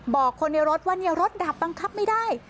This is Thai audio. บอกคนในรถว่าเนี่ยรถดับบังคับไม่ได้